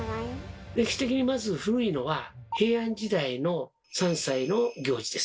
歴史的にまず古いのは平安時代の３歳の行事です。